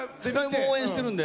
応援してるんで。